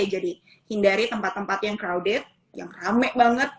jadi hindari tempat tempat yang crowded yang rame banget